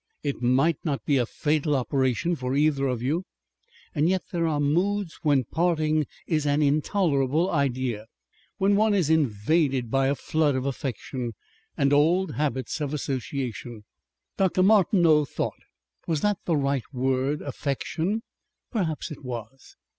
"It might not be a fatal operation for either of you." "And yet there are moods when parting is an intolerable idea. When one is invaded by a flood of affection..... And old habits of association." Dr. Martineau thought. Was that the right word, affection? Perhaps it was.